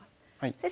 先生